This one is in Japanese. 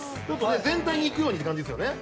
全体にいくようにっていう感じですよね。